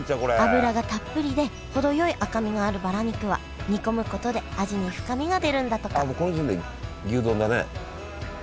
脂がたっぷりで程よい赤身があるバラ肉は煮込むことで味に深みが出るんだとかもうこの時点で牛丼だね。